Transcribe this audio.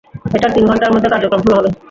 এটার তিন ঘন্টার মধ্যে কার্যক্রম শুরু হবে।